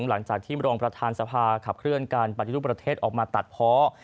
หลังจากที่รองประธานสภาขับเคลื่อนการปฏิรูปประเทศออกมาตัดเพาะ